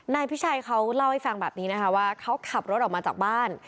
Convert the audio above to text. นายพิชัยเขาเล่าให้ฟังแบบนี้นะคะว่าเขาขับรถออกมาจากบ้าน